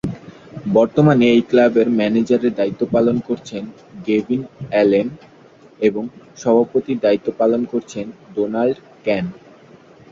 বর্তমানে এই ক্লাবের ম্যানেজারের দায়িত্ব পালন করছেন গেভিন অ্যালেন এবং সভাপতির দায়িত্ব পালন করছেন ডোনাল্ড কেন।